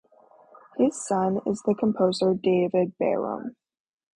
His son is the composer David Behrman.